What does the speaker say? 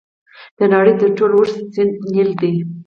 د نړۍ تر ټولو اوږد سیند نیل دی.